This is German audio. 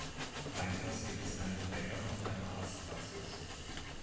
Weiters gibt es einen Bäcker und eine Arztpraxis.